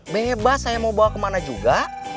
menyebas saya mau bawa kemana juga